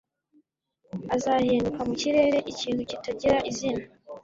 azahinduka mu kirere ikintu kitagira izina ..